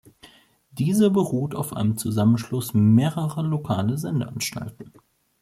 Dieser beruht auf einem Zusammenschluss mehrerer lokaler Sendeanstalten.